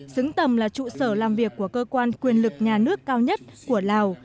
xứng tầm là trụ sở làm việc của cơ quan quyền lực nhà nước cao nhất của lào